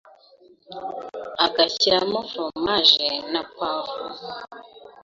ugashyiramo foromaje na poivre